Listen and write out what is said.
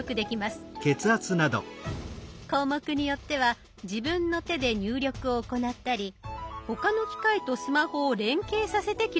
項目によっては自分の手で入力を行ったり他の機械とスマホを連携させて記録します。